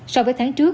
so với tháng trước